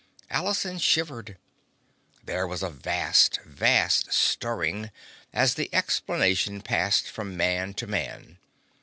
Allison shivered. There was a vast, vast stirring as the explanation passed from man to man.